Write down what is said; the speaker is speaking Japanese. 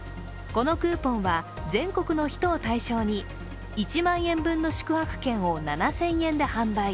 このクーポンは全国の人を対象に１万円分の宿泊券を７０００円で販売。